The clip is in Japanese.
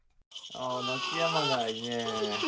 ああ泣きやまないねぇ。